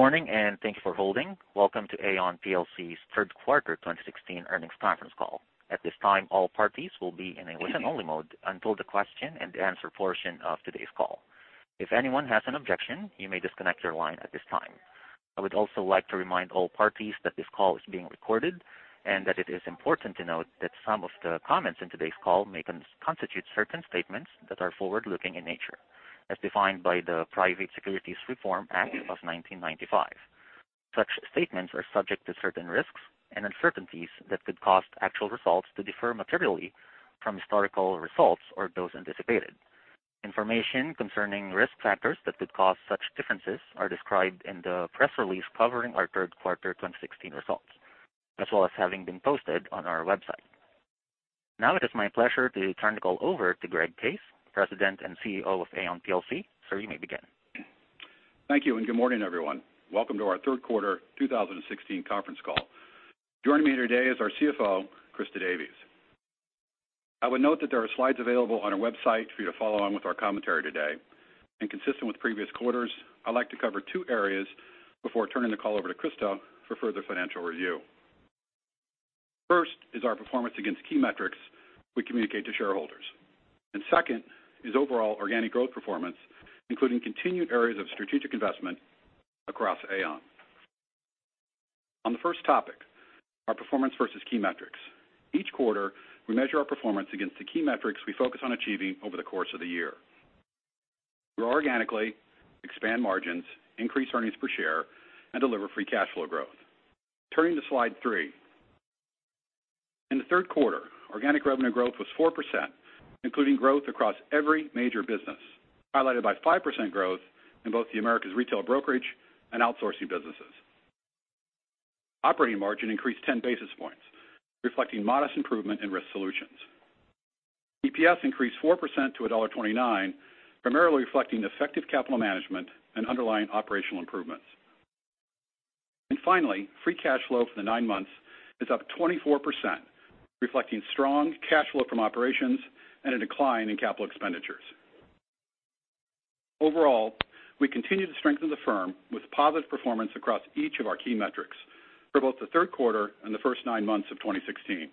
Good morning, and thank you for holding. Welcome to Aon plc's third quarter 2016 earnings conference call. At this time, all parties will be in a listen-only mode until the question and answer portion of today's call. If anyone has an objection, you may disconnect your line at this time. I would also like to remind all parties that this call is being recorded and that it is important to note that some of the comments in today's call may constitute certain statements that are forward-looking in nature as defined by the Private Securities Litigation Reform Act of 1995. Such statements are subject to certain risks and uncertainties that could cause actual results to differ materially from historical results or those anticipated. Information concerning risk factors that could cause such differences are described in the press release covering our third quarter 2016 results, as well as having been posted on our website. It is my pleasure to turn the call over to Greg Case, President and Chief Executive Officer of Aon plc. Sir, you may begin. Thank you and good morning, everyone. Welcome to our third quarter 2016 conference call. Joining me here today is our CFO, Christa Davies. I would note that there are slides available on our website for you to follow along with our commentary today. Consistent with previous quarters, I'd like to cover two areas before turning the call over to Christa for further financial review. First is our performance against key metrics we communicate to shareholders, and second is overall organic growth performance, including continued areas of strategic investment across Aon. On the first topic, our performance versus key metrics. Each quarter, we measure our performance against the key metrics we focus on achieving over the course of the year. We organically expand margins, increase earnings per share, and deliver free cash flow growth. Turning to slide three. In the third quarter, organic revenue growth was 4%, including growth across every major business, highlighted by 5% growth in both the Americas Retail Brokerage and Outsourcing businesses. Operating margin increased 10 basis points, reflecting modest improvement in Risk Solutions. EPS increased 4% to $1.29, primarily reflecting effective capital management and underlying operational improvements. Finally, free cash flow for the nine months is up 24%, reflecting strong cash flow from operations and a decline in capital expenditures. Overall, we continue to strengthen the firm with positive performance across each of our key metrics for both the third quarter and the first nine months of 2016,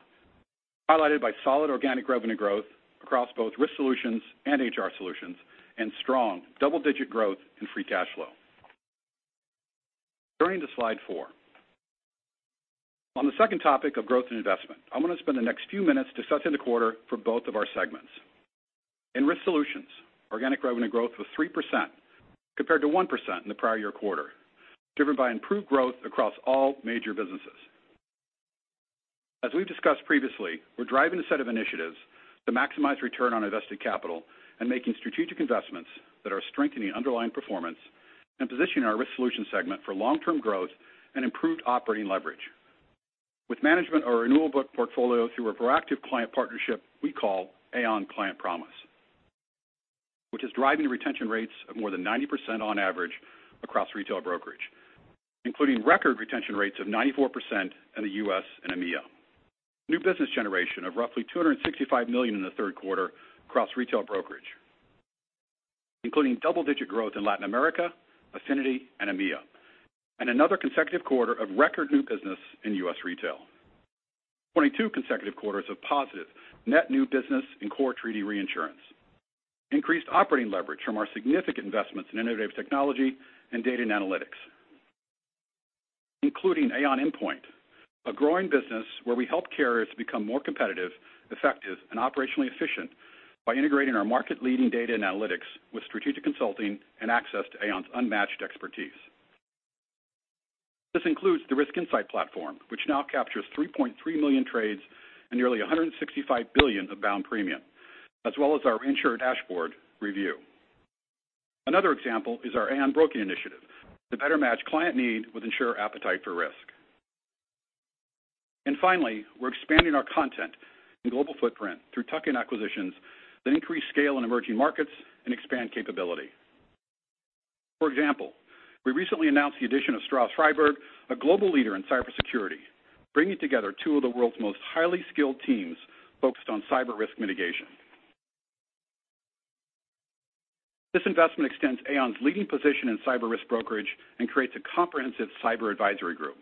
highlighted by solid organic revenue growth across both Risk Solutions and HR Solutions and strong double-digit growth in free cash flow. Turning to slide four. On the second topic of growth and investment, I want to spend the next few minutes discussing the quarter for both of our segments. In Risk Solutions, organic revenue growth was 3% compared to 1% in the prior year quarter, driven by improved growth across all major businesses. As we've discussed previously, we're driving a set of initiatives to maximize return on invested capital and making strategic investments that are strengthening underlying performance and positioning our Risk Solutions segment for long-term growth and improved operating leverage. With management of our renewal book portfolio through a proactive client partnership we call Aon Client Promise, which is driving retention rates of more than 90% on average across Retail Brokerage, including record retention rates of 94% in the U.S. and EMEA. New business generation of roughly $265 million in the third quarter across Retail Brokerage, including double-digit growth in Latin America, Affinity, and EMEA, and another consecutive quarter of record new business in U.S. Retail. 22 consecutive quarters of positive net new business in core treaty reinsurance. Increased operating leverage from our significant investments in innovative technology and data and analytics, including Aon Inpoint, a growing business where we help carriers become more competitive, effective, and operationally efficient by integrating our market-leading data and analytics with strategic consulting and access to Aon's unmatched expertise. This includes the Risk Insight Platform, which now captures 3.3 million trades and nearly $165 billion of bound premium, as well as our insurer dashboard review. Another example is our Aon Broking initiative to better match client need with insurer appetite for risk. Finally, we're expanding our content and global footprint through tuck-in acquisitions that increase scale in emerging markets and expand capability. For example, we recently announced the addition of Stroz Friedberg, a global leader in cybersecurity, bringing together two of the world's most highly skilled teams focused on cyber risk mitigation. This investment extends Aon's leading position in cyber risk brokerage and creates a comprehensive cyber advisory group,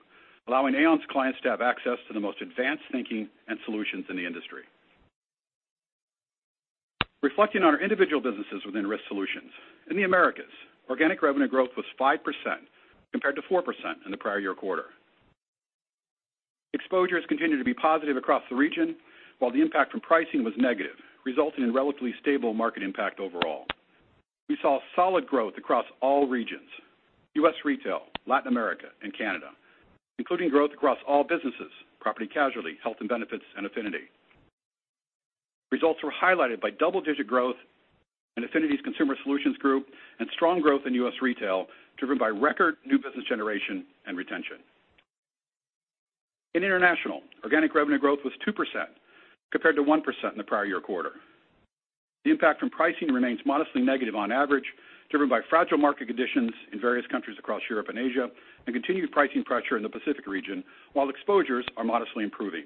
allowing Aon's clients to have access to the most advanced thinking and solutions in the industry. Reflecting on our individual businesses within Risk Solutions, in the Americas, organic revenue growth was 5% compared to 4% in the prior year quarter. Exposures continued to be positive across the region, while the impact from pricing was negative, resulting in relatively stable market impact overall. We saw solid growth across all regions, U.S. Retail, Latin America, and Canada, including growth across all businesses, Property & Casualty, Health and Benefits, and Affinity. Results were highlighted by double-digit growth in Affinity's Consumer Solutions Group and strong growth in U.S. Retail, driven by record new business generation and retention. In International, organic revenue growth was 2% compared to 1% in the prior year quarter. The impact from pricing remains modestly negative on average, driven by fragile market conditions in various countries across Europe and Asia and continued pricing pressure in the Pacific region while exposures are modestly improving.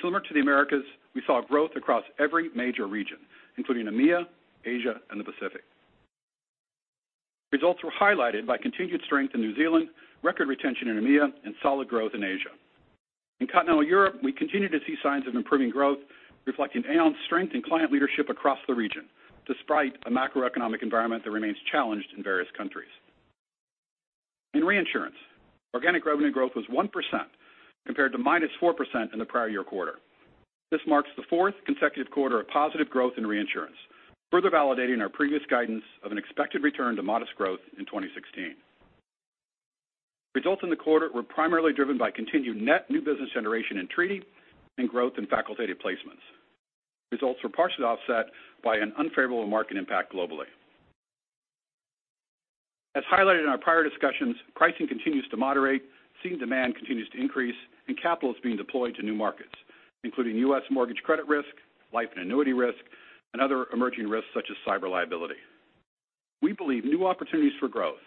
Similar to the Americas, we saw growth across every major region, including EMEA, Asia, and the Pacific. Results were highlighted by continued strength in New Zealand, record retention in EMEA, and solid growth in Asia. In continental Europe, we continue to see signs of improving growth, reflecting Aon's strength in client leadership across the region, despite a macroeconomic environment that remains challenged in various countries. In reinsurance, organic revenue growth was 1% compared to -4% in the prior year quarter. This marks the fourth consecutive quarter of positive growth in reinsurance, further validating our previous guidance of an expected return to modest growth in 2016. Results in the quarter were primarily driven by continued net new business generation in treaty and growth in facultative placements. Results were partially offset by an unfavorable market impact globally. As highlighted in our prior discussions, pricing continues to moderate, seen demand continues to increase, and capital is being deployed to new markets, including US Mortgage credit risk, life and annuity risk, and other emerging risks such as cyber liability. We believe new opportunities for growth,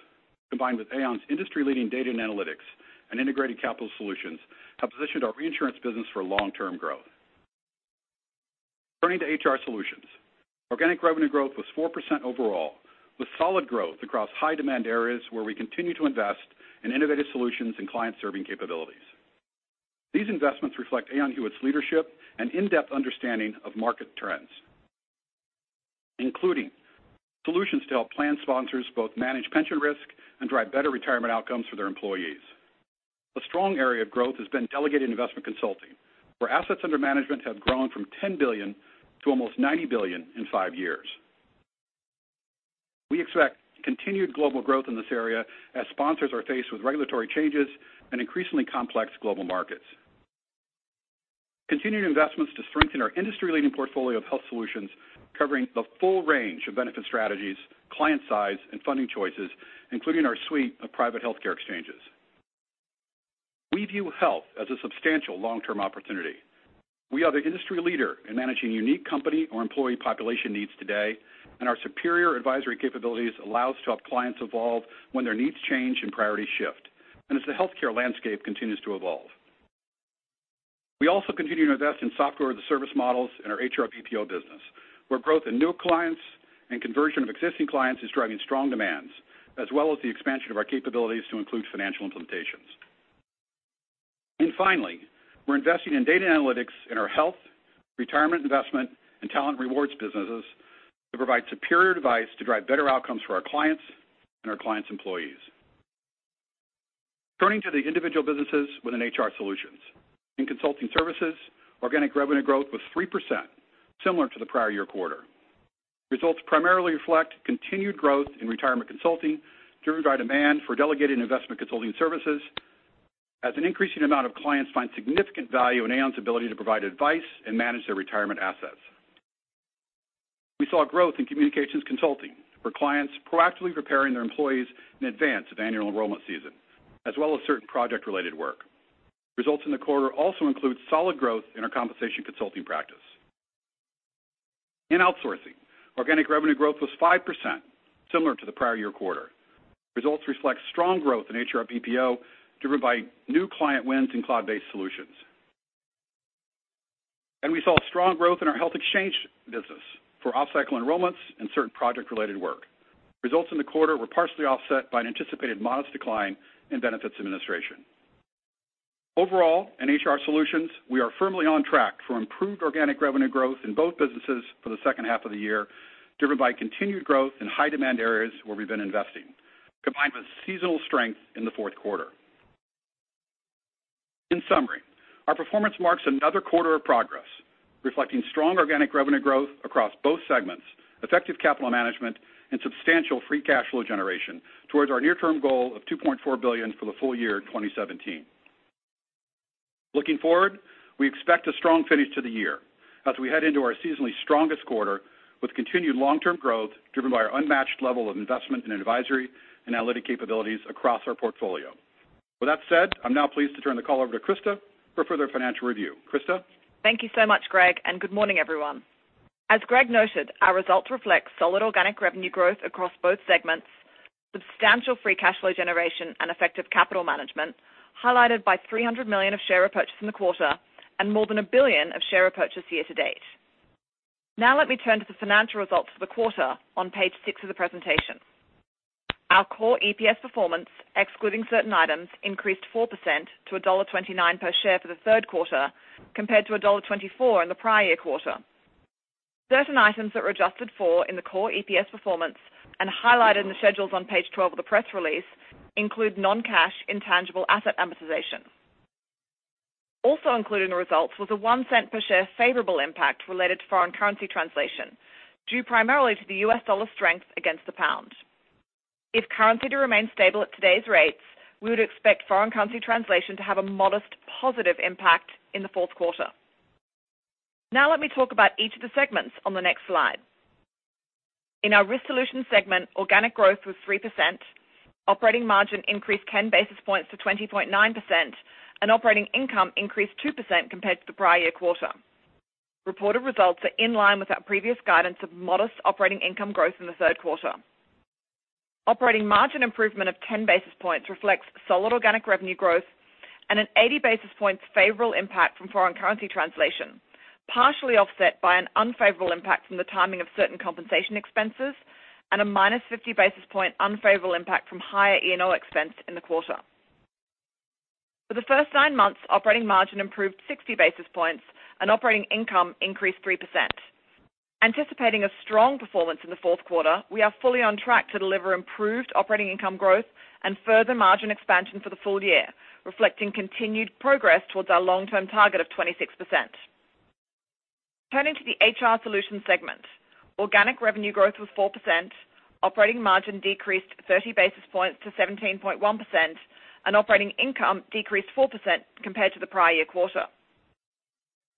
combined with Aon's industry-leading data and analytics and integrated capital solutions, have positioned our reinsurance business for long-term growth. Turning to HR Solutions. Organic revenue growth was 4% overall, with solid growth across high-demand areas where we continue to invest in innovative solutions and client-serving capabilities. These investments reflect Aon Hewitt's leadership and in-depth understanding of market trends, including solutions to help plan sponsors both manage pension risk and drive better retirement outcomes for their employees. A strong area of growth has been delegated investment consulting, where assets under management have grown from $10 billion to almost $90 billion in five years. We expect continued global growth in this area as sponsors are faced with regulatory changes and increasingly complex global markets. Continuing investments to strengthen our industry-leading portfolio of health solutions covering the full range of benefit strategies, client size, and funding choices, including our suite of private healthcare exchanges. We view health as a substantial long-term opportunity. We are the industry leader in managing unique company or employee population needs today, and our superior advisory capabilities allow us to help clients evolve when their needs change and priorities shift, and as the healthcare landscape continues to evolve. We also continue to invest in software as a service models in our HR BPO business, where growth in new clients and conversion of existing clients is driving strong demands, as well as the expansion of our capabilities to include financial implementations. Finally, we're investing in data analytics in our health, retirement and investment, and talent rewards businesses to provide superior advice to drive better outcomes for our clients and our clients' employees. Turning to the individual businesses within HR Solutions. In consulting services, organic revenue growth was 3%, similar to the prior year quarter. Results primarily reflect continued growth in retirement consulting driven by demand for delegated investment consulting services as an increasing amount of clients find significant value in Aon's ability to provide advice and manage their retirement assets. We saw growth in communications consulting, where clients proactively preparing their employees in advance of annual enrollment season, as well as certain project-related work. Results in the quarter also include solid growth in our compensation consulting practice. In outsourcing, organic revenue growth was 5%, similar to the prior year quarter. Results reflect strong growth in HR BPO driven by new client wins and cloud-based solutions. We saw strong growth in our health exchange business for off-cycle enrollments and certain project-related work. Results in the quarter were partially offset by an anticipated modest decline in benefits administration. Overall, in HR Solutions, we are firmly on track for improved organic revenue growth in both businesses for the second half of the year, driven by continued growth in high-demand areas where we've been investing, combined with seasonal strength in the fourth quarter. In summary, our performance marks another quarter of progress, reflecting strong organic revenue growth across both segments, effective capital management, and substantial free cash flow generation towards our near-term goal of $2.4 billion for the full year 2017. Looking forward, we expect a strong finish to the year as we head into our seasonally strongest quarter with continued long-term growth driven by our unmatched level of investment in advisory and analytic capabilities across our portfolio. With that said, I'm now pleased to turn the call over to Christa for further financial review. Christa? Thank you so much, Greg, and good morning, everyone. As Greg noted, our results reflect solid organic revenue growth across both segments, substantial free cash flow generation, and effective capital management, highlighted by $300 million of share repurchase in the quarter and more than $1 billion of share repurchase year to date. Now let me turn to the financial results for the quarter on page six of the presentation. Our core EPS performance, excluding certain items, increased 4% to $1.29 per share for the third quarter, compared to $1.24 in the prior year quarter. Certain items that were adjusted for in the core EPS performance and highlighted in the schedules on page 12 of the press release include non-cash intangible asset amortization. Also included in the results was a $0.01 per share favorable impact related to foreign currency translation, due primarily to the US dollar strength against the pound. If currency were to remain stable at today's rates, we would expect foreign currency translation to have a modest positive impact in the fourth quarter. Now let me talk about each of the segments on the next slide. In our Risk Solutions segment, organic growth was 3%, operating margin increased 10 basis points to 20.9%, and operating income increased 2% compared to the prior year quarter. Reported results are in line with our previous guidance of modest operating income growth in the third quarter. Operating margin improvement of 10 basis points reflects solid organic revenue growth and an 80 basis points favorable impact from foreign currency translation, partially offset by an unfavorable impact from the timing of certain compensation expenses and a -50 basis point unfavorable impact from higher E&O expense in the quarter. For the first nine months, operating margin improved 60 basis points. Operating income increased 3%. Anticipating a strong performance in the fourth quarter, we are fully on track to deliver improved operating income growth and further margin expansion for the full year, reflecting continued progress towards our long-term target of 26%. Turning to the HR Solutions segment, organic revenue growth was 4%. Operating margin decreased 30 basis points to 17.1%. Operating income decreased 4% compared to the prior year quarter.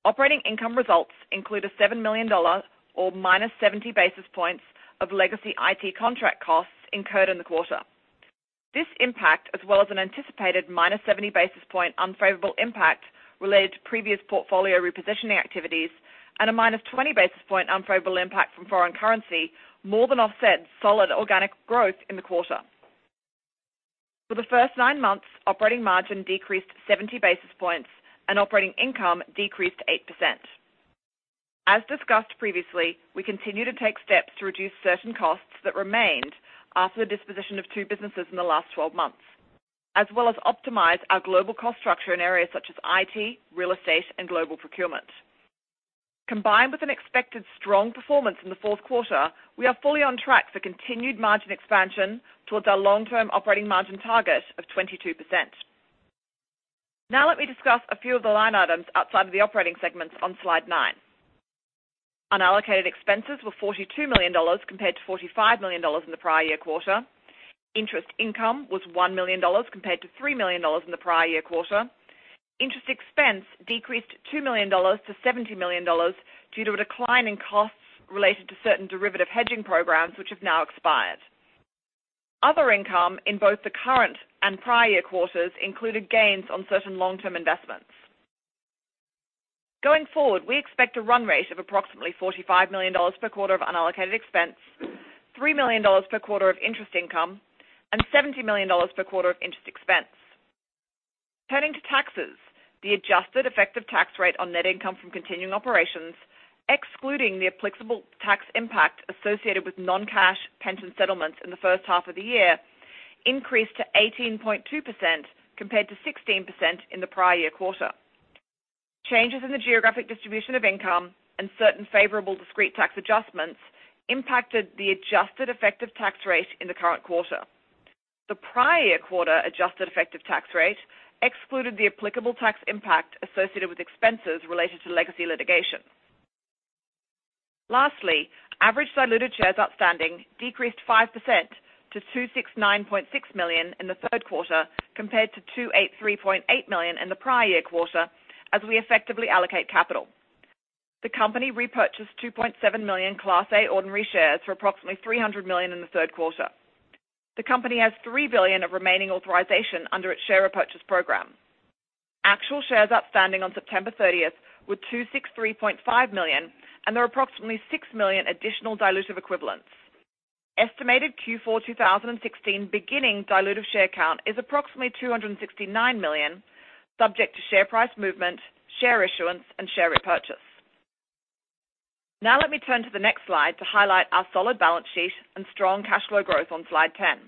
Operating income results include a $7 million, or minus 70 basis points, of legacy IT contract costs incurred in the quarter. This impact, as well as an anticipated minus 70 basis point unfavorable impact related to previous portfolio repositioning activities and a minus 20 basis point unfavorable impact from foreign currency more than offset solid organic growth in the quarter. For the first nine months, operating margin decreased 70 basis points. Operating income decreased 8%. As discussed previously, we continue to take steps to reduce certain costs that remained after the disposition of two businesses in the last 12 months, as well as optimize our global cost structure in areas such as IT, real estate, and global procurement. Combined with an expected strong performance in the fourth quarter, we are fully on track for continued margin expansion towards our long-term operating margin target of 22%. Now let me discuss a few of the line items outside of the operating segments on slide nine. Unallocated expenses were $42 million compared to $45 million in the prior year quarter. Interest income was $1 million compared to $3 million in the prior year quarter. Interest expense decreased $2 million to $70 million due to a decline in costs related to certain derivative hedging programs, which have now expired. Other income in both the current and prior year quarters included gains on certain long-term investments. Going forward, we expect a run rate of approximately $45 million per quarter of unallocated expense, $3 million per quarter of interest income, and $70 million per quarter of interest expense. Turning to taxes, the adjusted effective tax rate on net income from continuing operations, excluding the applicable tax impact associated with non-cash pension settlements in the first half of the year, increased to 18.2% compared to 16% in the prior year quarter. Changes in the geographic distribution of income and certain favorable discrete tax adjustments impacted the adjusted effective tax rate in the current quarter. The prior year quarter adjusted effective tax rate excluded the applicable tax impact associated with expenses related to legacy litigation. Lastly, average diluted shares outstanding decreased 5% to 269.6 million in the third quarter compared to 283.8 million in the prior year quarter as we effectively allocate capital. The company repurchased 2.7 million Class A ordinary shares for approximately $300 million in the third quarter. The company has $3 billion of remaining authorization under its share repurchase program. Actual shares outstanding on September 30th were 263.5 million. There are approximately 6 million additional dilutive equivalents. Estimated Q4 2016 beginning dilutive share count is approximately 269 million, subject to share price movement, share issuance and share repurchase. Now let me turn to the next slide to highlight our solid balance sheet and strong cash flow growth on slide 10.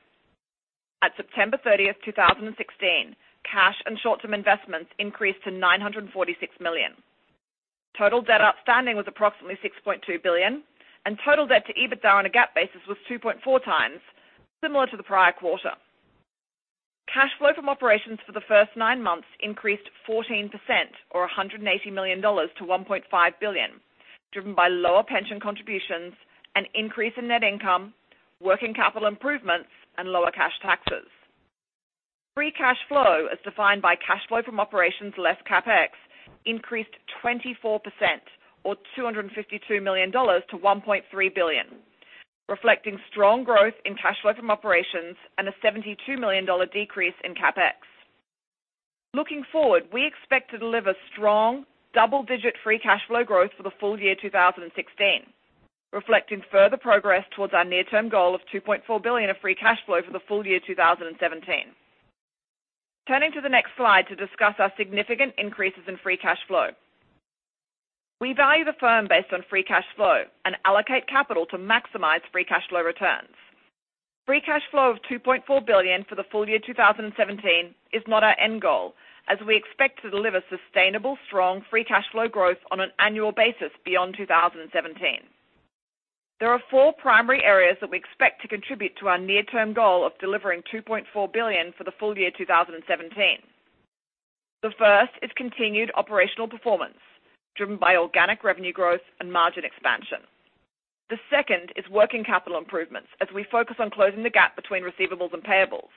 At September 30th, 2016, cash and short-term investments increased to $946 million. Total debt outstanding was approximately $6.2 billion, and total debt to EBITDA on a GAAP basis was 2.4 times, similar to the prior quarter. Cash flow from operations for the first nine months increased 14%, or $180 million, to $1.5 billion, driven by lower pension contributions, an increase in net income, working capital improvements, and lower cash taxes. Free cash flow, as defined by cash flow from operations less CapEx, increased 24%, or $252 million, to $1.3 billion, reflecting strong growth in cash flow from operations and a $72 million decrease in CapEx. Looking forward, we expect to deliver strong double-digit free cash flow growth for the full year 2016, reflecting further progress towards our near-term goal of $2.4 billion of free cash flow for the full year 2017. Turning to the next slide to discuss our significant increases in free cash flow. We value the firm based on free cash flow and allocate capital to maximize free cash flow returns. Free cash flow of $2.4 billion for the full year 2017 is not our end goal, as we expect to deliver sustainable, strong free cash flow growth on an annual basis beyond 2017. There are four primary areas that we expect to contribute to our near-term goal of delivering $2.4 billion for the full year 2017. The first is continued operational performance, driven by organic revenue growth and margin expansion. The second is working capital improvements as we focus on closing the gap between receivables and payables.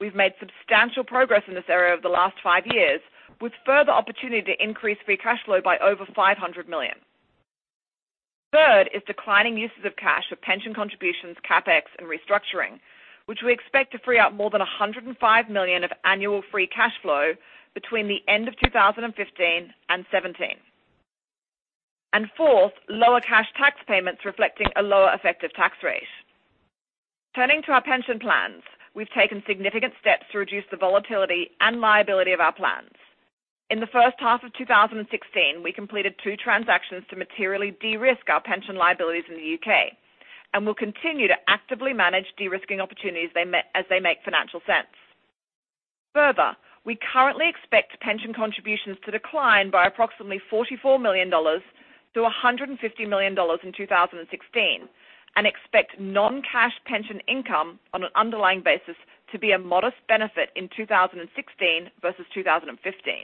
We've made substantial progress in this area over the last five years with further opportunity to increase free cash flow by over $500 million. Third is declining uses of cash for pension contributions, CapEx, and restructuring, which we expect to free up more than $105 million of annual free cash flow between the end of 2015 and 2017. Fourth, lower cash tax payments reflecting a lower effective tax rate. Turning to our pension plans, we've taken significant steps to reduce the volatility and liability of our plans. In the first half of 2016, we completed two transactions to materially de-risk our pension liabilities in the U.K., and will continue to actively manage de-risking opportunities as they make financial sense. Further, we currently expect pension contributions to decline by approximately $44 million to $150 million in 2016, and expect non-cash pension income on an underlying basis to be a modest benefit in 2016 versus 2015.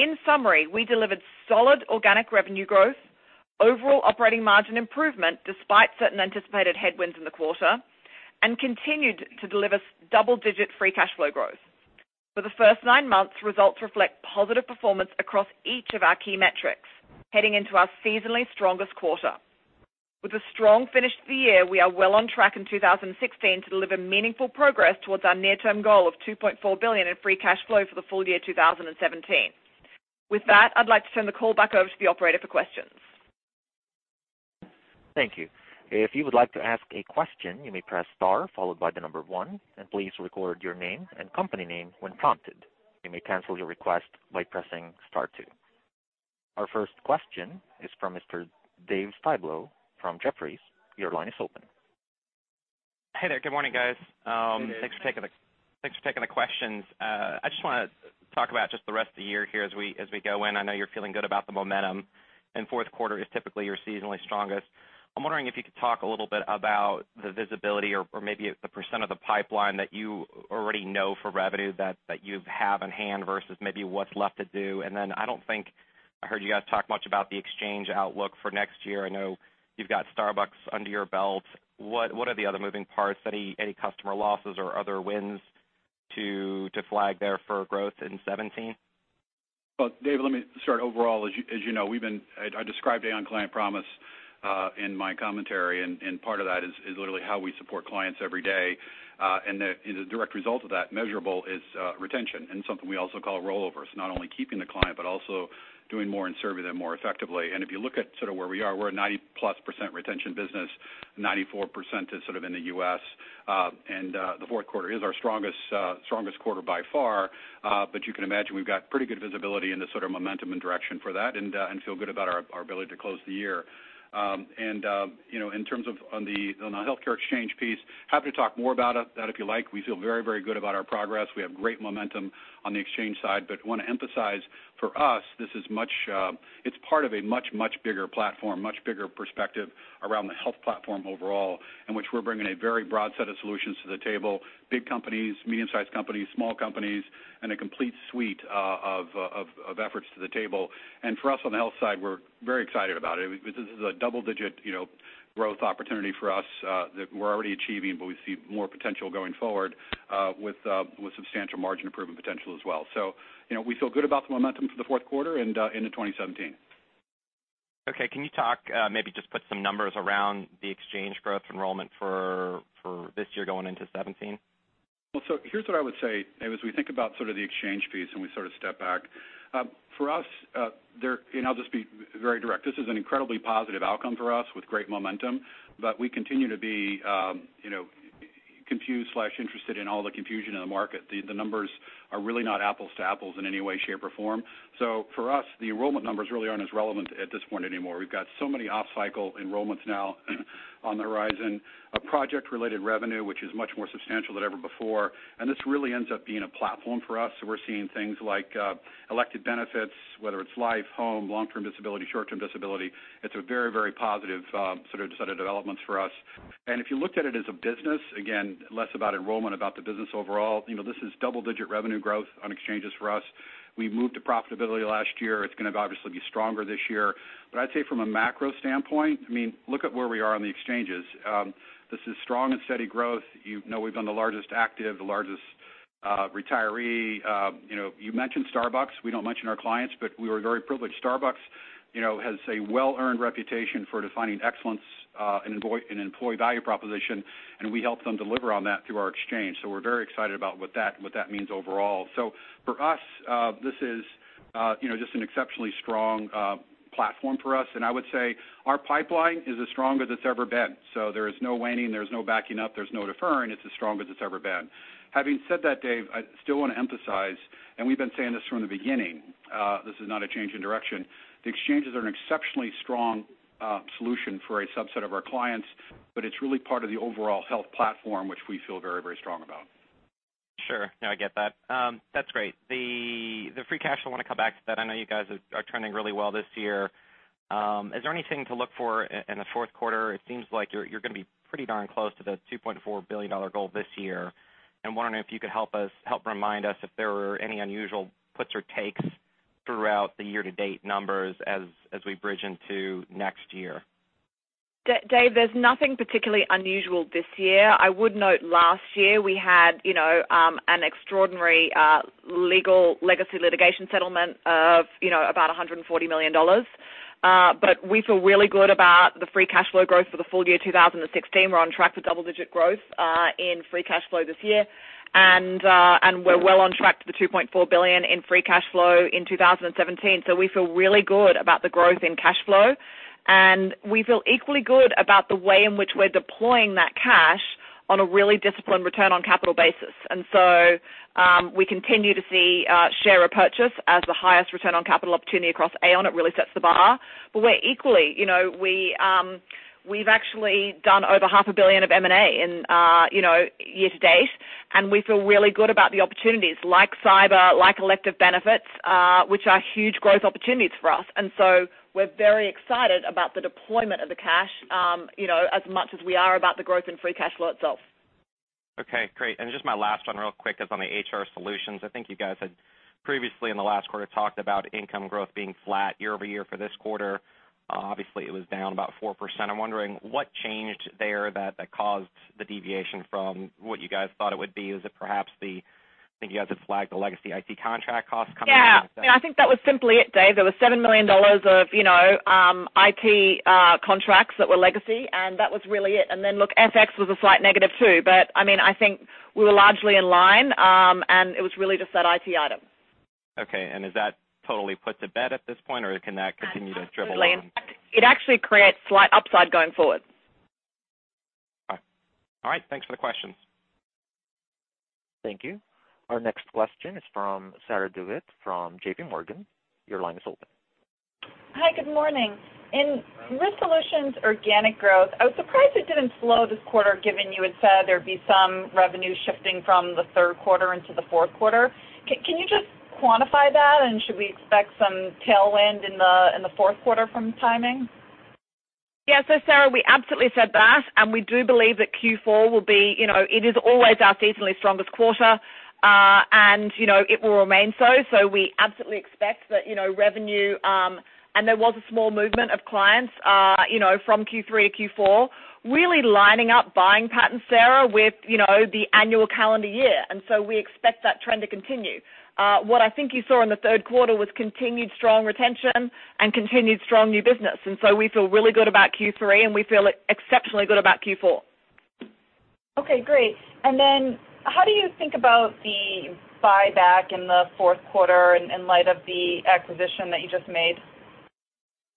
In summary, we delivered solid organic revenue growth, overall operating margin improvement, despite certain anticipated headwinds in the quarter, and continued to deliver double-digit free cash flow growth. For the first nine months, results reflect positive performance across each of our key metrics, heading into our seasonally strongest quarter. With a strong finish to the year, we are well on track in 2016 to deliver meaningful progress towards our near-term goal of $2.4 billion in free cash flow for the full year 2017. With that, I'd like to turn the call back over to the operator for questions. Thank you. If you would like to ask a question, you may press star followed by the number 1, and please record your name and company name when prompted. You may cancel your request by pressing star 2. Our first question is from Mr. David Styblo from Jefferies. Your line is open. Hey there. Good morning, guys. Good morning. Thanks for taking the questions. I just want to talk about just the rest of the year here as we go in. I know you're feeling good about the momentum, and fourth quarter is typically your seasonally strongest. I'm wondering if you could talk a little bit about the visibility or maybe the % of the pipeline that you already know for revenue that you have in hand versus maybe what's left to do. I don't think I heard you guys talk much about the exchange outlook for next year. I know you've got Starbucks under your belt. What are the other moving parts? Any customer losses or other wins to flag there for growth in 2017? Well, Dave, let me start overall. As you know, I described Aon Client Promise in my commentary, part of that is literally how we support clients every day. The direct result of that, measurable, is retention and something we also call rollovers, not only keeping the client but also doing more and serving them more effectively. If you look at sort of where we are, we're a 90-plus percent retention business. 94% is sort of in the U.S. The fourth quarter is our strongest quarter by far. You can imagine we've got pretty good visibility into sort of momentum and direction for that and feel good about our ability to close the year. In terms of on the healthcare exchange piece, happy to talk more about that if you like. We feel very good about our progress. We have great momentum on the exchange side. Want to emphasize, for us, it's part of a much bigger platform, much bigger perspective around the health platform overall, in which we're bringing a very broad set of solutions to the table, big companies, medium-sized companies, small companies, and a complete suite of efforts to the table. For us on the health side, we're very excited about it. This is a double-digit growth opportunity for us that we're already achieving, but we see more potential going forward with substantial margin improvement potential as well. We feel good about the momentum for the fourth quarter and into 2017. Okay. Can you talk, maybe just put some numbers around the exchange growth enrollment for this year going into 2017? Here's what I would say, Dave, as we think about sort of the exchange piece and we sort of step back. For us, I'll just be very direct, this is an incredibly positive outcome for us with great momentum, we continue to be confused/interested in all the confusion in the market. The numbers are really not apples to apples in any way, shape, or form. For us, the enrollment numbers really aren't as relevant at this point anymore. We've got so many off-cycle enrollments now on the horizon of project-related revenue, which is much more substantial than ever before, this really ends up being a platform for us. We're seeing things like elective benefits, whether it's life, home, long-term disability, short-term disability. It's a very positive set of developments for us. If you looked at it as a business, again, less about enrollment, about the business overall, this is double-digit revenue growth on exchanges for us. We moved to profitability last year. It's going to obviously be stronger this year. I'd say from a macro standpoint, look at where we are on the exchanges. This is strong and steady growth. You know we've been the largest active, the largest retiree. You mentioned Starbucks. We don't mention our clients, but we were very privileged. Starbucks has a well-earned reputation for defining excellence in employee value proposition, and we helped them deliver on that through our exchange. We're very excited about what that means overall. For us, this is just an exceptionally strong platform for us, and I would say our pipeline is as strong as it's ever been. There is no waning, there's no backing up, there's no deferring. It's as strong as it's ever been. Having said that, Dave, I still want to emphasize, and we've been saying this from the beginning, this is not a change in direction. The exchanges are an exceptionally strong solution for a subset of our clients, but it's really part of the overall health platform, which we feel very strong about. Sure. No, I get that. That's great. The free cash, I want to come back to that. I know you guys are trending really well this year. Is there anything to look for in the fourth quarter? It seems like you're going to be pretty darn close to the $2.4 billion goal this year. I'm wondering if you could help remind us if there were any unusual puts or takes throughout the year-to-date numbers as we bridge into next year. Dave, there's nothing particularly unusual this year. I would note last year we had an extraordinary legacy litigation settlement of about $140 million. We feel really good about the free cash flow growth for the full year 2016. We're on track for double-digit growth in free cash flow this year, and we're well on track for the $2.4 billion in free cash flow in 2017. We feel really good about the growth in cash flow. We feel equally good about the way in which we're deploying that cash on a really disciplined return on capital basis. We continue to see share repurchase as the highest return on capital opportunity across Aon. It really sets the bar. We've actually done over half a billion of M&A in year to date, and we feel really good about the opportunities like cyber, like elective benefits, which are huge growth opportunities for us. We're very excited about the deployment of the cash, as much as we are about the growth in free cash flow itself. Okay, great. Just my last one real quick is on the HR Solutions. I think you guys had previously in the last quarter talked about income growth being flat year-over-year for this quarter. Obviously, it was down about 4%. I'm wondering what changed there that caused the deviation from what you guys thought it would be. Is it perhaps the legacy IT contract cost coming in like that. Yeah. I think that was simply it, Dave Styblo. There was $7 million of IT contracts that were legacy, and that was really it. Then, look, FX was a slight negative too, but I think we were largely in line, and it was really just that IT item. Okay. Is that totally put to bed at this point, or can that continue to dribble on? Absolutely. In fact, it actually creates slight upside going forward. All right. Thanks for the questions. Thank you. Our next question is from Sarah DeWitt from JPMorgan. Your line is open. Hi, good morning. In Risk Solutions organic growth, I was surprised it didn't slow this quarter, given you had said there'd be some revenue shifting from the third quarter into the fourth quarter. Can you just quantify that? Should we expect some tailwind in the fourth quarter from timing? Yeah. Sarah, we absolutely said that, and we do believe that Q4 is always our seasonally strongest quarter, and it will remain so. We absolutely expect that revenue, and there was a small movement of clients from Q3 to Q4, really lining up buying patterns, Sarah, with the annual calendar year. We expect that trend to continue. What I think you saw in the third quarter was continued strong retention and continued strong new business. We feel really good about Q3, and we feel exceptionally good about Q4. Okay, great. How do you think about the buyback in the fourth quarter in light of the acquisition that you just made?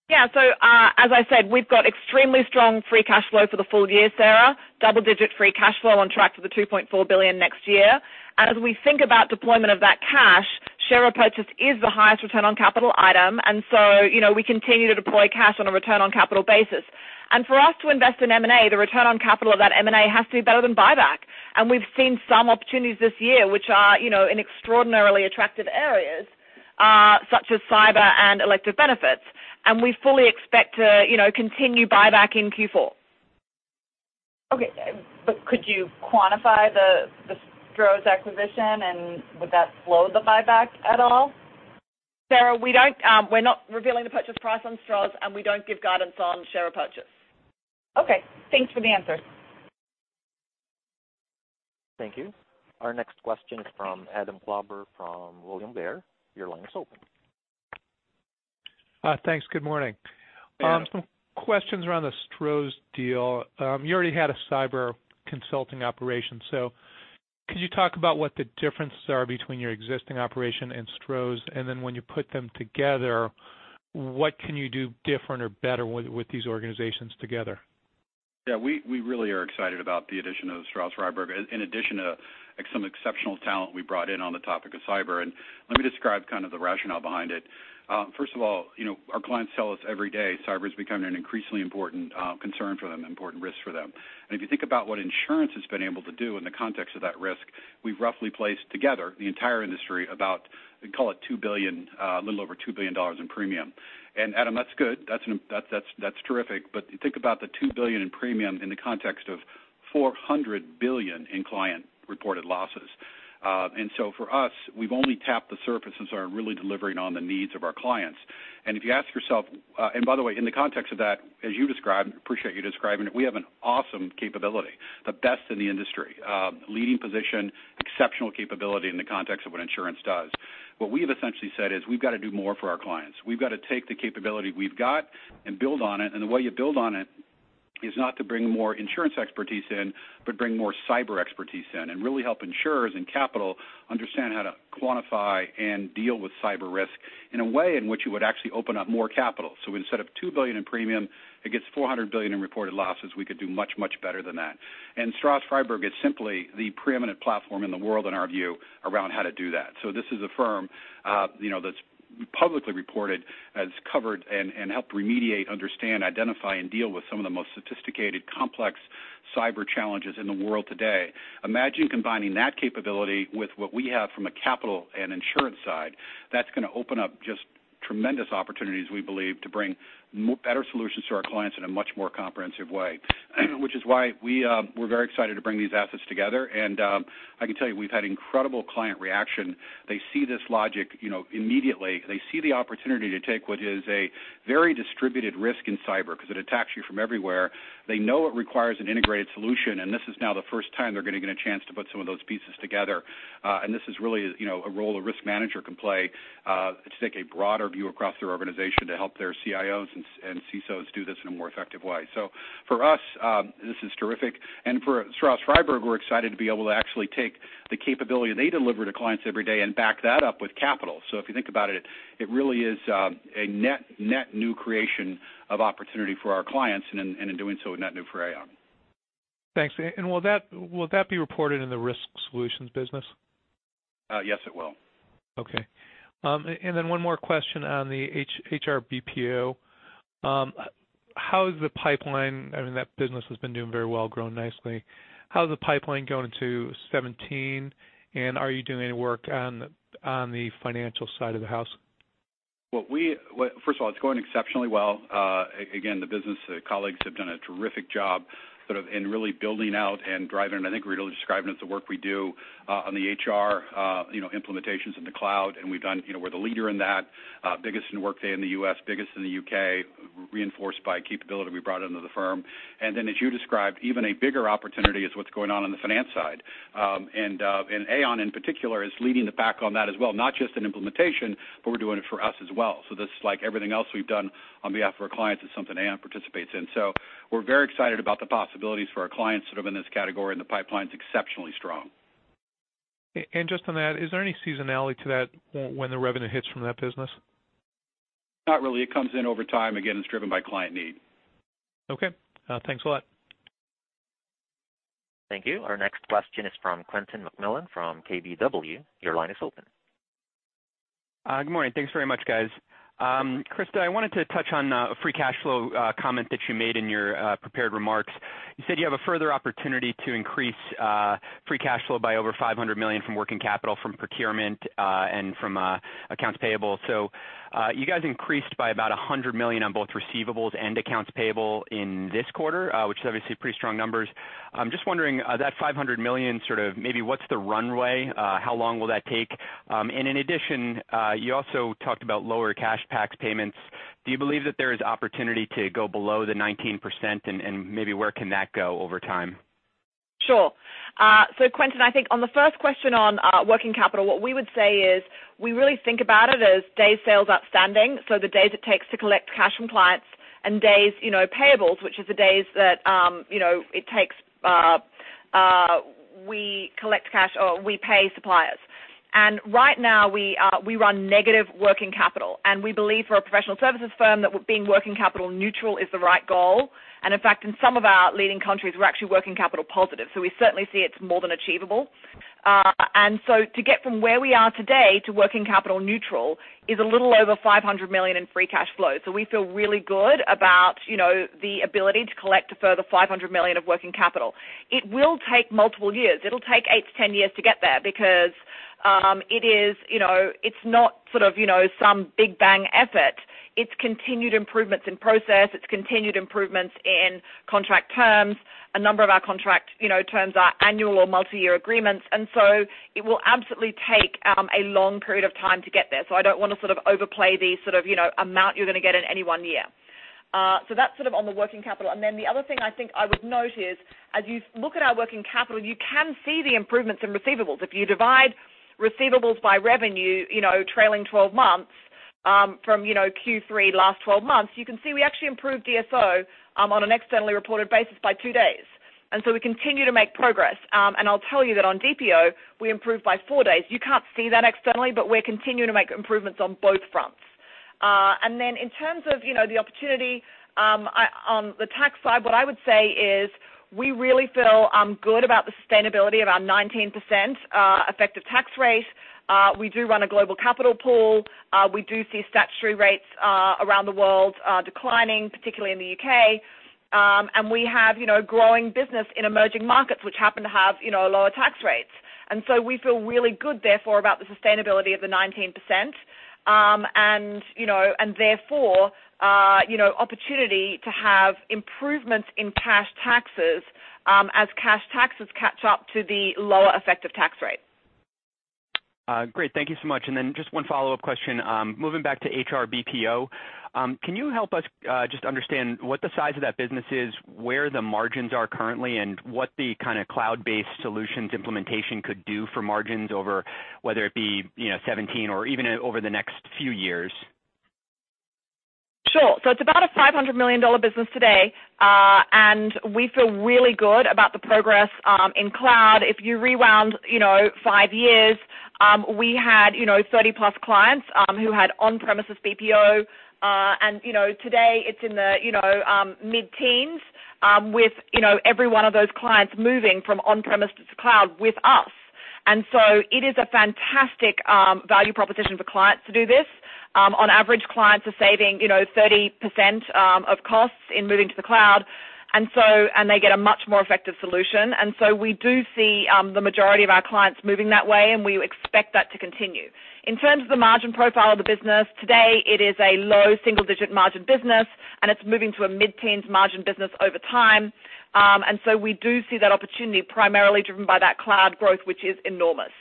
Yeah. As I said, we've got extremely strong free cash flow for the full year, Sarah. Double-digit free cash flow on track for the $2.4 billion next year. As we think about deployment of that cash, share repurchase is the highest return on capital item, we continue to deploy cash on a return on capital basis. For us to invest in M&A, the return on capital of that M&A has to be better than buyback. We've seen some opportunities this year, which are in extraordinarily attractive areas, such as cyber and elective benefits. We fully expect to continue buyback in Q4. Okay. Could you quantify the Stroz acquisition, would that slow the buyback at all? Sarah, we're not revealing the purchase price on Stroz, and we don't give guidance on share repurchase. Okay. Thanks for the answers. Thank you. Our next question is from Adam Klauber from William Blair. Your line is open. Thanks. Good morning. Yeah. Some questions around the Stroz deal. You already had a cyber consulting operation. Could you talk about what the differences are between your existing operation and Stroz? When you put them together, what can you do different or better with these organizations together? Yeah, we really are excited about the addition of Stroz Friedberg, in addition to some exceptional talent we brought in on the topic of cyber. Let me describe kind of the rationale behind it. First of all, our clients tell us every day, cyber is becoming an increasingly important concern for them, important risk for them. If you think about what insurance has been able to do in the context of that risk, we've roughly placed together the entire industry about, call it a little over $2 billion in premium. Adam, that's good. That's terrific. Think about the $2 billion in premium in the context of $400 billion in client-reported losses. For us, we've only tapped the surface as our really delivering on the needs of our clients. By the way, in the context of that, as you described, appreciate you describing it, we have an awesome capability, the best in the industry. Leading position, exceptional capability in the context of what insurance does. What we have essentially said is we've got to do more for our clients. We've got to take the capability we've got and build on it, the way you build on it is not to bring more insurance expertise in, but bring more cyber expertise in. Really help insurers and capital understand how to quantify and deal with cyber risk in a way in which it would actually open up more capital. Instead of $2 billion in premium against $400 billion in reported losses, we could do much, much better than that. Stroz Friedberg is simply the preeminent platform in the world, in our view, around how to do that. This is a firm that's publicly reported as covered and help remediate, understand, identify, and deal with some of the most sophisticated, complex cyber challenges in the world today. Imagine combining that capability with what we have from a capital and insurance side. That's going to open up just tremendous opportunities, we believe, to bring better solutions to our clients in a much more comprehensive way. Which is why we're very excited to bring these assets together, I can tell you, we've had incredible client reaction. They see this logic immediately. They see the opportunity to take what is a very distributed risk in cyber, because it attacks you from everywhere. They know it requires an integrated solution, this is now the first time they're going to get a chance to put some of those pieces together. This is really a role a risk manager can play, to take a broader view across their organization to help their CIOs and CISOs do this in a more effective way. So for us, this is terrific. For Stroz Friedberg, we're excited to be able to actually take the capability they deliver to clients every day and back that up with capital. So if you think about it really is a net new creation of opportunity for our clients, in doing so, a net new for Aon. Thanks. Will that be reported in the Risk Solutions business? Yes, it will. Okay. One more question on the HR BPO. I mean, that business has been doing very well, growing nicely. How is the pipeline going into 2017? Are you doing any work on the financial side of the house? Well, first of all, it's going exceptionally well. Again, the business colleagues have done a terrific job in really building out and driving. I think Christa Davies was describing it, the work we do on the HR implementations in the cloud, and we're the leader in that. Biggest in Workday in the U.S., biggest in the U.K., reinforced by capability we brought into the firm. As you described, even a bigger opportunity is what's going on in the finance side. Aon in particular is leading the pack on that as well, not just in implementation, but we're doing it for us as well. This, like everything else we've done on behalf of our clients, is something Aon participates in. We're very excited about the possibilities for our clients in this category, and the pipeline's exceptionally strong. Just on that, is there any seasonality to that when the revenue hits from that business? Not really. It comes in over time. Again, it's driven by client need. Okay. Thanks a lot. Thank you. Our next question is from Quentin McMillan from KBW. Your line is open. Good morning. Thanks very much, guys. Christa, I wanted to touch on a free cash flow comment that you made in your prepared remarks. You said you have a further opportunity to increase free cash flow by over $500 million from working capital, from procurement, and from accounts payable. You guys increased by about $100 million on both receivables and accounts payable in this quarter, which is obviously pretty strong numbers. I'm just wondering, that $500 million, maybe what's the runway? How long will that take? In addition, you also talked about lower cash tax payments. Do you believe that there is opportunity to go below the 19% and maybe where can that go over time? Sure. Quentin, I think on the first question on working capital, what we would say is we really think about it as day sales outstanding. The days it takes to collect cash from clients and days payables, which is the days that we pay suppliers. Right now we run negative working capital, and we believe for a professional services firm that being working capital neutral is the right goal. In fact, in some of our leading countries, we're actually working capital positive. We certainly see it's more than achievable. To get from where we are today to working capital neutral is a little over $500 million in free cash flow. We feel really good about the ability to collect a further $500 million of working capital. It will take multiple years. It'll take eight to 10 years to get there because it's not some big bang effort. It's continued improvements in process. It's continued improvements in contract terms. A number of our contract terms are annual or multi-year agreements, it will absolutely take a long period of time to get there. I don't want to overplay the amount you're going to get in any one year. That's on the working capital. The other thing I think I would note is as you look at our working capital, you can see the improvements in receivables. If you divide receivables by revenue trailing 12 months from Q3 last 12 months, you can see we actually improved DSO on an externally reported basis by two days. We continue to make progress. I'll tell you that on DPO, we improved by four days. You can't see that externally, but we're continuing to make improvements on both fronts. In terms of the opportunity on the tax side, what I would say is we really feel good about the sustainability of our 19% effective tax rate. We do run a global capital pool. We do see statutory rates around the world declining, particularly in the U.K. We have growing business in emerging markets, which happen to have lower tax rates. We feel really good, therefore, about the sustainability of the 19%. Therefore, opportunity to have improvements in cash taxes as cash taxes catch up to the lower effective tax rate. Great. Thank you so much. Just one follow-up question. Moving back to HR BPO, can you help us just understand what the size of that business is, where the margins are currently, and what the kind of cloud-based solutions implementation could do for margins over, whether it be 2017 or even over the next few years? Sure. It's about a $500 million business today. We feel really good about the progress in cloud. If you rewound five years, we had 30-plus clients who had on-premises BPO. Today it's in the mid-teens, with every one of those clients moving from on-premise to cloud with us. It is a fantastic value proposition for clients to do this. On average, clients are saving 30% of costs in moving to the cloud. They get a much more effective solution. We do see the majority of our clients moving that way, and we expect that to continue. In terms of the margin profile of the business, today, it is a low single-digit margin business, and it's moving to a mid-teens margin business over time. We do see that opportunity primarily driven by that cloud growth, which is enormous.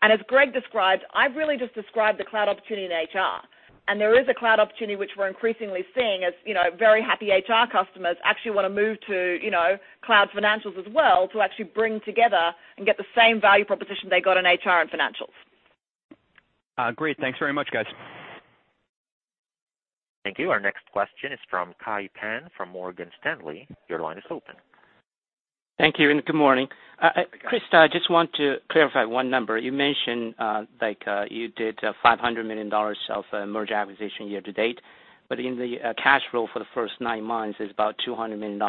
As Greg described, I've really just described the cloud opportunity in HR. There is a cloud opportunity which we're increasingly seeing as very happy HR customers actually want to move to cloud financials as well, to actually bring together and get the same value proposition they got in HR and financials. Great. Thanks very much, guys. Thank you. Our next question is from Kai Pan from Morgan Stanley. Your line is open. Thank you. Good morning. Yeah. Christa, I just want to clarify one number. You mentioned you did $500 million of merger acquisition year to date, but in the cash flow for the first nine months is about $200 million.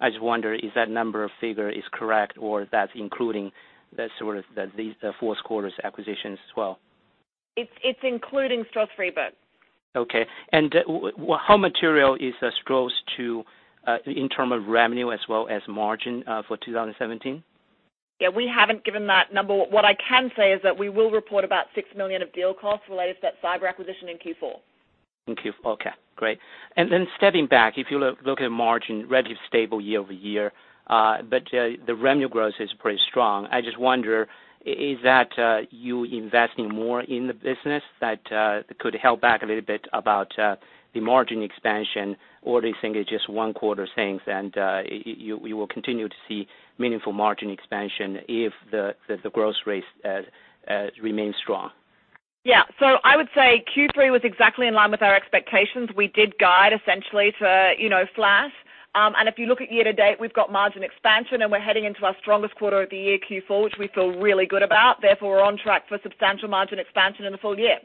I just wonder, is that number figure correct or that's including the fourth quarter's acquisitions as well? It's including Stroz Friedberg. Okay. How material is the Stroz in term of revenue as well as margin for 2017? We haven't given that number. What I can say is that we will report about $6 million of deal costs related to that cyber acquisition in Q4. In Q4. Great. Then stepping back, if you look at margin, relatively stable year-over-year, but the revenue growth is pretty strong. I just wonder, is that you investing more in the business that could help back a little bit about the margin expansion? Or do you think it's just one quarter things and you will continue to see meaningful margin expansion if the growth rates remain strong? Yeah. I would say Q3 was exactly in line with our expectations. We did guide essentially to flat. If you look at year to date, we've got margin expansion, and we're heading into our strongest quarter of the year, Q4, which we feel really good about. Therefore, we're on track for substantial margin expansion in the full year.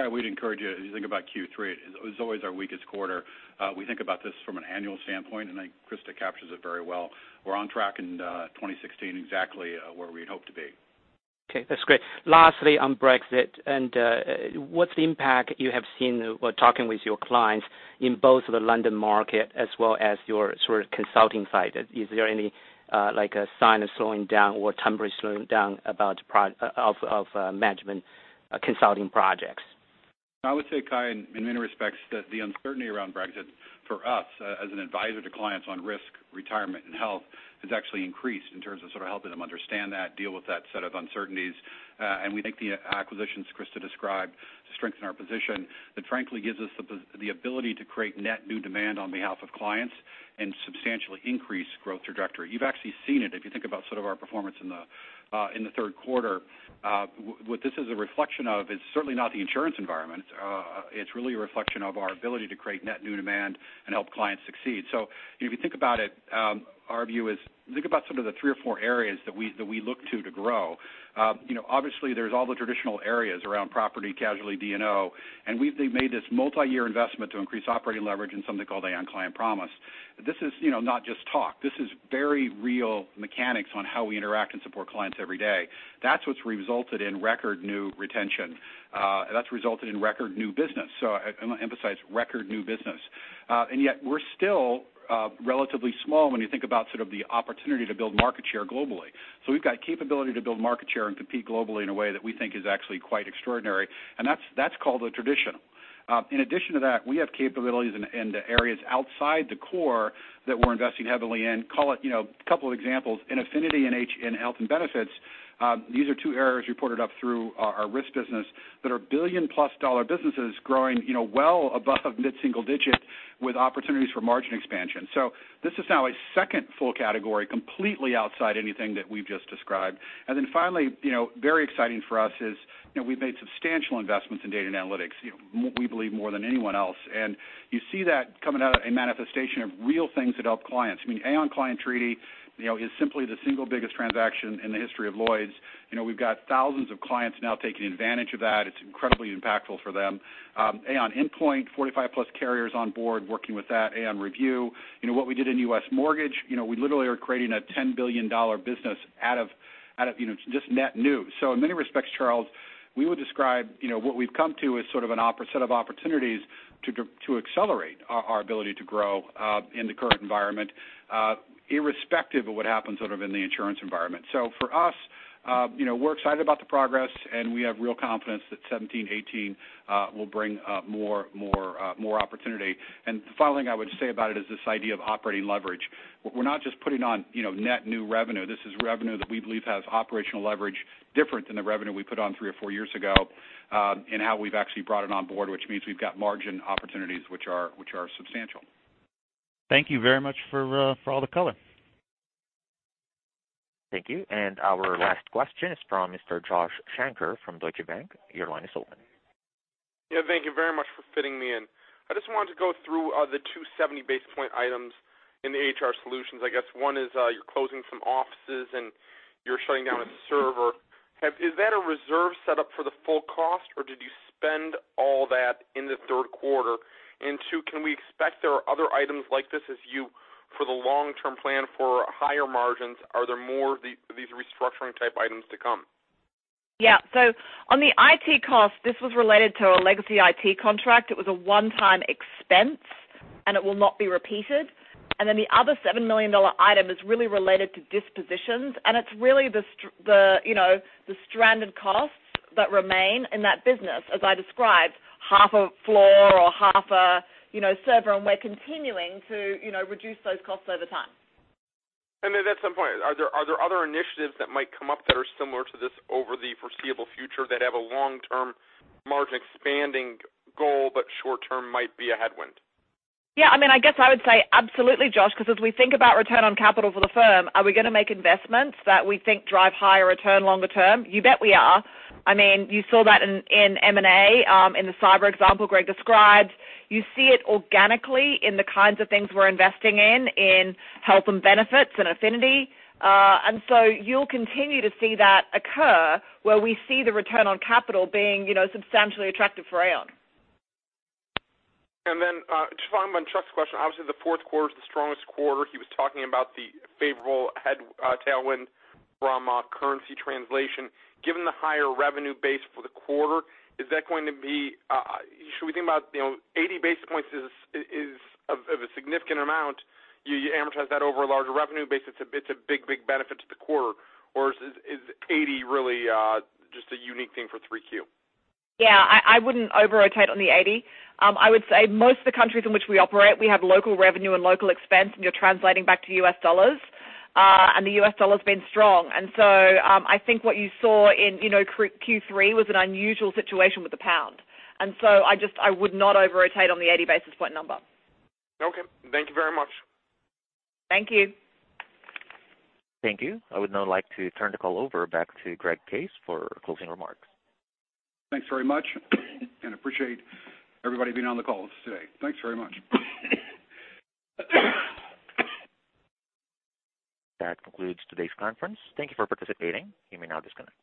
I would encourage you, as you think about Q3, it was always our weakest quarter. We think about this from an annual standpoint. I think Christa captures it very well. We're on track in 2016 exactly where we'd hoped to be. Okay, that's great. Lastly, on Brexit, what's the impact you have seen while talking with your clients in both the London market as well as your sort of consulting side? Is there any sign of slowing down or temporarily slowing down of management consulting projects? I would say, Kai, in many respects that the uncertainty around Brexit for us as an advisor to clients on risk, retirement, and health, has actually increased in terms of sort of helping them understand that, deal with that set of uncertainties. We think the acquisitions Christa described strengthen our position. That frankly gives us the ability to create net new demand on behalf of clients and substantially increase growth trajectory. You've actually seen it if you think about sort of our performance in the third quarter. What this is a reflection of is certainly not the insurance environment. It's really a reflection of our ability to create net new demand and help clients succeed. If you think about it, our view is, think about some of the three or four areas that we look to grow. Obviously, there's all the traditional areas around property casualty D&O, and we've made this multi-year investment to increase operating leverage in something called Aon Client Promise. This is not just talk. This is very real mechanics on how we interact and support clients every day. That's what's resulted in record new retention. That's resulted in record new business. I want to emphasize, record new business. We're still relatively small when you think about sort of the opportunity to build market share globally. We've got capability to build market share and compete globally in a way that we think is actually quite extraordinary, and that's called the traditional. In addition to that, we have capabilities in the areas outside the core that we're investing heavily in. Call it a couple of examples, in affinity and health and benefits, these are two areas reported up through our Risk Solutions that are $1 billion-plus businesses growing well above mid-single-digit with opportunities for margin expansion. This is now a second full category, completely outside anything that we've just described. Finally, very exciting for us is we've made substantial investments in data and analytics, we believe more than anyone else. You see that coming out, a manifestation of real things that help clients. I mean, Aon Client Treaty is simply the single biggest transaction in the history of Lloyd's. We've got thousands of clients now taking advantage of that. It's incredibly impactful for them. Aon Inpoint, 45+ carriers on board working with that. Aon Review. What we did in US Mortgage, we literally are creating a $10 billion business out of just net new. In many respects, Kai, we would describe what we've come to as sort of a set of opportunities to accelerate our ability to grow in the current environment, irrespective of what happens sort of in the insurance environment. For us, we're excited about the progress, and we have real confidence that 2017, 2018 will bring more opportunity. The final thing I would say about it is this idea of operating leverage. We're not just putting on net new revenue. This is revenue that we believe has operational leverage different than the revenue we put on three or four years ago, and how we've actually brought it on board, which means we've got margin opportunities, which are substantial. Thank you very much for all the color. Thank you. Our last question is from Mr. Joshua Shanker from Deutsche Bank. Your line is open. Yeah, thank you very much for fitting me in. I just wanted to go through the 270 basis point items in the HR Solutions. I guess one is you're closing some offices, and you're shutting down a server. Is that a reserve set up for the full cost, or did you spend all that in the third quarter? Two, can we expect there are other items like this for the long-term plan for higher margins, are there more of these restructuring type items to come? Yeah. On the IT cost, this was related to a legacy IT contract. It was a one-time expense, and it will not be repeated. The other $7 million item is really related to dispositions, and it's really the stranded costs that remain in that business, as I described, half a floor or half a server. We're continuing to reduce those costs over time. That's my point. Are there other initiatives that might come up that are similar to this over the foreseeable future that have a long-term margin expanding goal, but short term might be a headwind? Yeah, I guess I would say absolutely, Josh, because as we think about return on capital for the firm, are we going to make investments that we think drive higher return longer term? You bet we are. You saw that in M&A, in the cyber example Greg described. You see it organically in the kinds of things we're investing in health and benefits and affinity. You'll continue to see that occur, where we see the return on capital being substantially attractive for Aon. To follow up on Chuck's question, obviously the fourth quarter is the strongest quarter. He was talking about the favorable tailwind from currency translation. Given the higher revenue base for the quarter, should we think about 80 basis points is of a significant amount. You amortize that over a larger revenue base, it's a big benefit to the quarter. Is 80 really just a unique thing for 3Q? Yeah, I wouldn't over-rotate on the 80. I would say most of the countries in which we operate, we have local revenue and local expense, and you're translating back to U.S. dollars. The U.S. dollar's been strong. I think what you saw in Q3 was an unusual situation with the GBP. I would not over-rotate on the 80 basis point number. Okay. Thank you very much. Thank you. Thank you. I would now like to turn the call over back to Greg Case for closing remarks. Thanks very much, and appreciate everybody being on the call today. Thanks very much. That concludes today's conference. Thank you for participating. You may now disconnect.